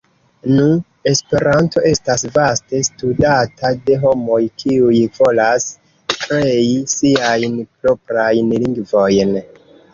Nu, Esperanto estas vaste studata de homoj, kiuj volas krei siajn proprajn lingvojn.